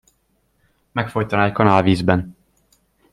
Megfojtaná egy kanál vízben.